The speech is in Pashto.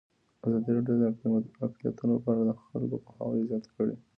ازادي راډیو د اقلیتونه په اړه د خلکو پوهاوی زیات کړی.